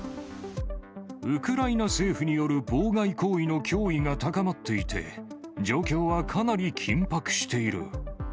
ウクライナ政府による妨害行為の脅威が高まっていて、状況はかなり緊迫している。